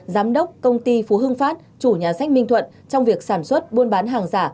giám đốc công ty phú hưng phát chủ nhà sách minh thuận trong việc sản xuất buôn bán hàng giả